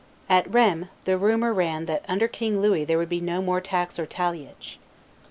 At Rheims the rumor ran that under King Louis there would be no more tax or talliage.